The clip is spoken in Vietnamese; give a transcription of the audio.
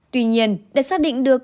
tuy nhiên để xác định được